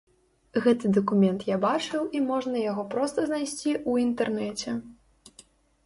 Гэты дакумент я бачыў і можна яго проста знайсці ў інтэрнэце.